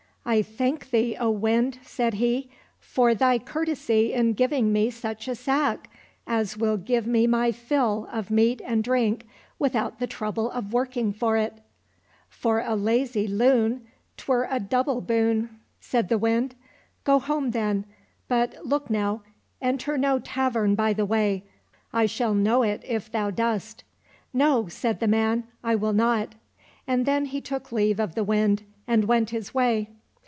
" I thank thee, Wind !" said he, " for thy courtesy in giving me such a sack as will give me my fill of meat and drink without the trouble of working for it." —'* For a lazy loon, 'twere a double boon," said the Wind. " Go home, then, but look now, enter no tavern by the way ; 1 shall know it if thou dost." —" No," said the man, " I will not." And then he took leave of the Wind and went his way.